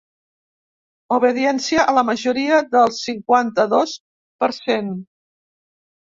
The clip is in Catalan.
Obediència a la majoria del cinquanta-dos per cent!